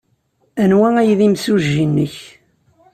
Anwa ay d imsujji-nnek?